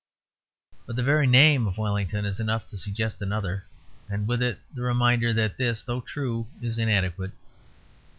But the very name of Wellington is enough to suggest another, and with it the reminder that this, though true, is inadequate.